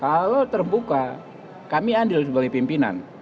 kalau terbuka kami andil sebagai pimpinan